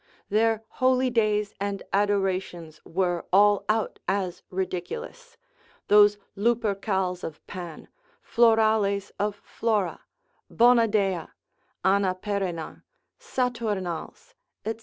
Their holy days and adorations were all out as ridiculous; those Lupercals of Pan, Florales of Flora, Bona dea, Anna Perenna, Saturnals, &c.